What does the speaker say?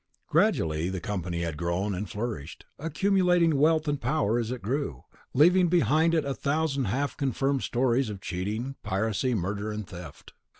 Gradually the company had grown and flourished, accumulating wealth and power as it grew, leaving behind it a thousand half confirmed stories of cheating, piracy, murder and theft.